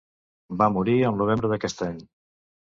Va morir al novembre d'aquest any.